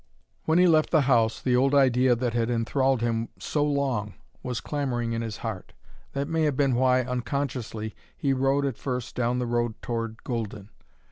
When he left the house the old idea that had enthralled him so long was clamoring in his heart. That may have been why, unconsciously, he rode at first down the road toward Golden.